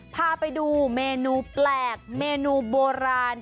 พาไปดูเมนูแปลกเมนูโบราณ